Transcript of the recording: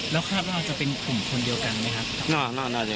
แล้วคาดว่าจะเป็นกลุ่มคนเดียวกันไหมครับ